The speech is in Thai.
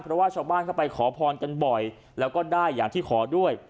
เพราะว่าชาวบ้านเข้าไปขอพรกันบ่อยแล้วก็ได้อย่างที่ขอด้วย